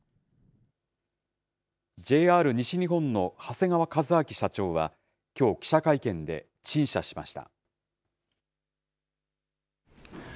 ＪＲ西日本の長谷川一明社長はきょう、記者会見で陳謝しました。